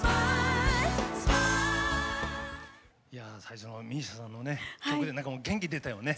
いや最初のＭＩＳＩＡさんの曲で元気出たよね。